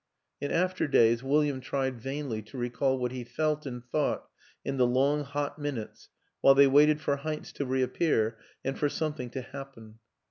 In after days William tried vainly to recall what he felt and thought in the long hot minutes while they waited for Heinz to reappear and for something to happen.